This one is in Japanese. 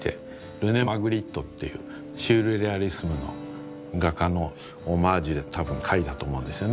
ルネ・マグリットというシュールレアリスムの画家のオマージュでたぶん描いたと思うんですよね。